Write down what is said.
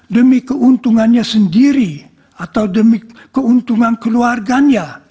demi keuntungannya sendiri atau demi keuntungan keluarganya